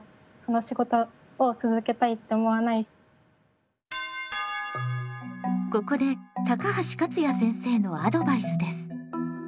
単にここで高橋勝也先生のアドバイスです。